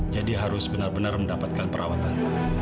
jadi harus benar benar mendapatkan perawatan